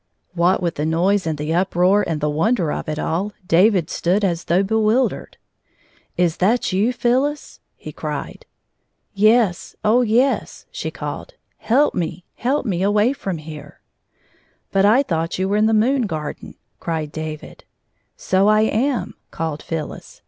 149 What with the noise and the nproar and the wonder of it all, David stood as though bewil dered. "Is that you, Phyllis 1" he cried. "Yes; oh, yes!" she called. "Help me — help me away from here !"" But I thought you were in the moon garden, cried David. " So I am," called Phyllis.